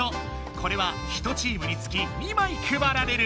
これは１チームにつき２まいくばられる。